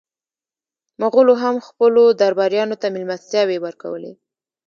مغولو هم خپلو درباریانو ته مېلمستیاوې ورکولې.